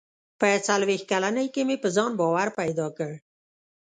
• په څلوېښت کلنۍ کې مې په ځان باور پیدا کړ.